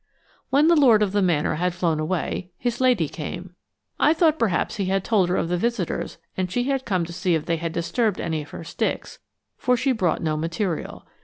When the lord of the manor had flown away, his lady came. I thought perhaps he had told her of the visitors and she had come to see if they had disturbed any of her sticks, for she brought no material.